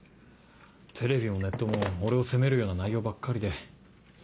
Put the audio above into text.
テレビもネットも俺を責めるような内容ばっかりで。